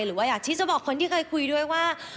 หรือว่าอยากที่จะบอกคนที่เคยคุยด้วยว่า